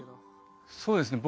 そうですね